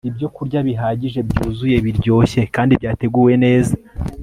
ibyokurya bihagije byuzuye biryoshye kandi byateguwe neza